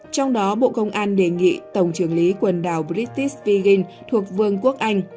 trong đó bộ công an đề nghị tổng trưởng lý quần đảo british virgin thuộc vương quốc anh